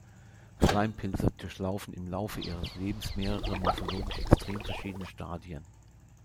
Schleimpilze durchlaufen im Laufe ihres Lebens mehrere morphologisch extrem verschiedene Stadien.